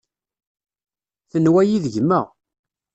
Tenwa-yi d gma.